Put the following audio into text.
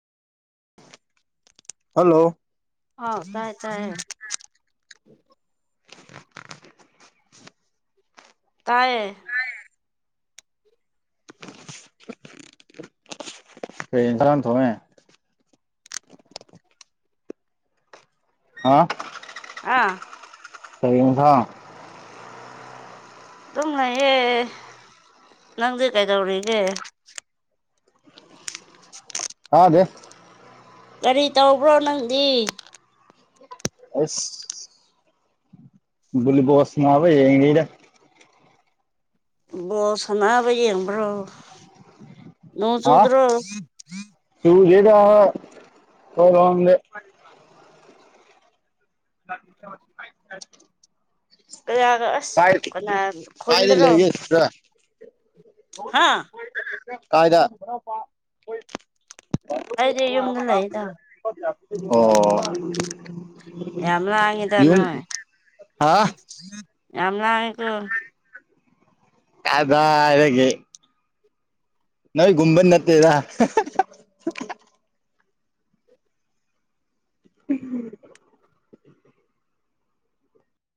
Hello ꯍꯥꯎ ꯇꯥꯏꯌꯦ ꯇꯥꯏꯌꯦ ꯇꯥꯏꯌꯦ [inaudible] [unintelligible] ꯀꯩ ꯏꯟꯁꯥꯟ ꯊꯣꯡꯉꯦ? ꯍꯥ ꯑꯥ [unintelligible] ꯑꯗꯨꯝ ꯂꯩꯌꯦ, ꯅꯪꯗꯤ ꯀꯩꯗꯧꯔꯤꯒꯦ? ꯇꯗꯦ ꯀꯔꯤ ꯇꯧꯕ꯭ꯔꯣ ꯅꯪꯗꯤ? ꯑꯁ ꯕꯣꯂꯤꯕꯣꯜ ꯁꯟꯅꯕ ꯌꯦꯡꯉꯤꯗ꯫ ꯕꯣꯁ ꯁꯟꯅꯕ ꯌꯦꯡꯕ꯭ꯔꯣ? ꯅꯣꯡ ꯆꯨꯗ꯭ꯔꯣ? ꯆꯨꯗꯦꯗꯥ ꯑꯩꯈꯣꯏꯔꯣꯝꯗꯤ꯫ [inaudible] [unintelligible] ꯀꯅꯥꯒ ꯑꯁ ꯀꯥꯏ ꯀꯅꯥ ꯀꯥꯏꯗ ꯈꯨꯨꯟꯗꯔꯣ ꯂꯩꯒꯦ ꯁꯤꯁꯇꯔ ꯀꯥꯏꯗ ꯑꯣ ꯑꯩꯗꯤ ꯌꯨꯝꯗ ꯂꯩꯗ ꯌꯥꯝ ꯂꯥꯡꯉꯤꯗ ꯌꯨꯝ ꯅꯣꯏ ꯌꯥꯝ ꯂꯥꯡꯉꯦꯀꯣ? ꯀꯗꯥꯏꯗꯒꯤ꯫ ꯅꯣꯏꯒꯨꯝꯕꯟ ꯅꯠꯇꯦꯔ ꯎꯝ